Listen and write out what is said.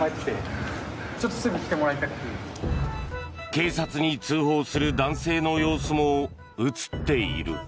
警察に通報する男性の様子も映っている。